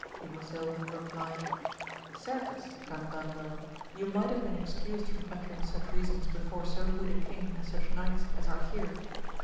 Ymosil AMADIS OF GAUL. 135 replied, Certes Gandandel, you might have been excused from uttering such reasons before so good a king and such knights as are here